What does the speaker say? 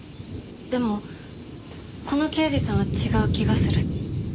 でもこの刑事さんは違う気がする。